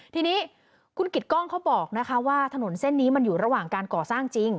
ทีนี้คุณกิจกล้องเขาบอกนะคะว่าถนนเส้นนี้มันอยู่ระหว่างการก่อสร้างจริง